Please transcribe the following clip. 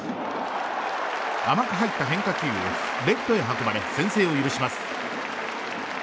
甘く入った変化球をレフトへ運ばれ先制を許します。